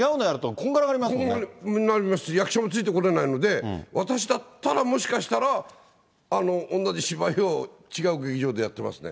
こんがらがりますし、役者もついてこれないので、私だったら、もしかしたら同じ芝居を違う劇場でやってますね。